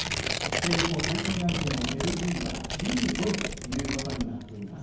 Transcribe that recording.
一方、対戦相手のベルギーは１５位ということになっています。